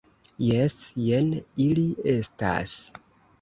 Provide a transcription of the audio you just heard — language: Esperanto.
Jes; jen ili estas.